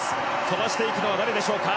飛ばしていくのは誰でしょうか。